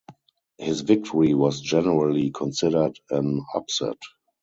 His victory was generally considered an upset.